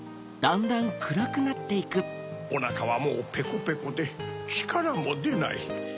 おなかはもうペコペコでちからもでない。